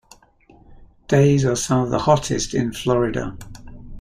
Days are some of the hottest in Florida.